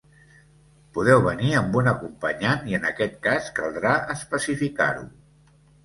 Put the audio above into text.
Podeu venir amb un acompanyant i en aquest cas caldrà especificar-ho.